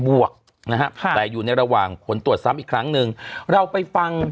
วกนะฮะค่ะแต่อยู่ในระหว่างผลตรวจซ้ำอีกครั้งหนึ่งเราไปฟัง